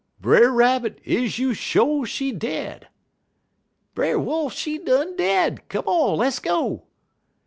"'Brer Rabbit, is you sho' she dead?' "'Brer Wolf, she done dead; come on, less go!'